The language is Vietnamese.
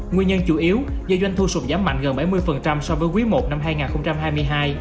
nguyên nhân chủ yếu do doanh thu sụt giảm mạnh gần bảy mươi so với quý i năm hai nghìn hai mươi hai